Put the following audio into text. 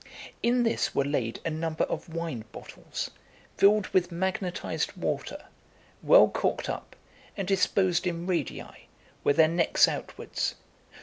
In this were laid a number of wine bottles, filled with magnetised water, well corked up, and disposed in radii, with their necks outwards.